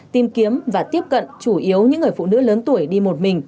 tìm kiếm và tiếp cận chủ yếu những người phụ nữ lớn tuổi đi một mình